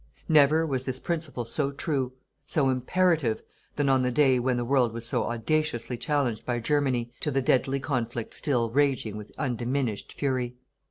Never was this principle so true, so imperative, than on the day when the world was so audaciously challenged by Germany to the deadly conflict still raging with undiminished fury.